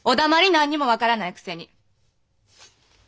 何も分からないくせに。